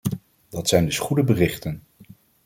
Dat zijn dus goede berichten.